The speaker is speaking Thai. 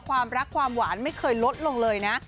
ความรักความหวานไม่เคยลดลงเลยนะ